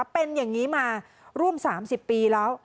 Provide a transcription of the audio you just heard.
เป็นอย่างนี้มาร่วม๓๐ปีแล้ว